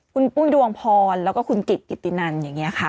คุณปุ้นด่วงพรคุณกิตกิตตินัน